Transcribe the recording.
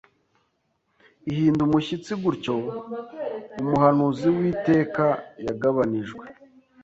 Ihinda umushyitsi Gutyo Umuhanuzi witeka yagabanijwe